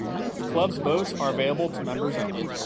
The club's boats are available to members only.